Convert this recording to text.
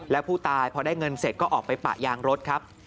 แล้วผู้ตายพอได้เงินเสร็จก็ออกไปปะยางรถครับ